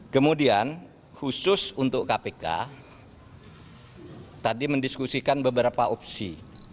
kemudian khusus untuk kpk tadi mendiskusikan beberapa opsi